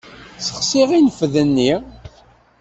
Ssexsiɣ infed-nni.